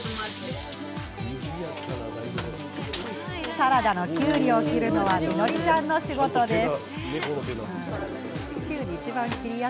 サラダのきゅうりを切るのは実乃里ちゃんの仕事です。